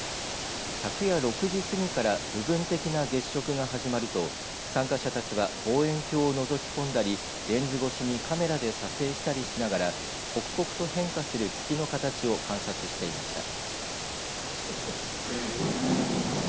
昨夜６時過ぎから部分的な月食が始まると参加者たちは望遠鏡をのぞき込んだりレンズ越しにカメラで撮影したりしながら刻々と変化する月の形を観察していました。